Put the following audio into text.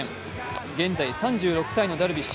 現在３６歳のダルビッシュ。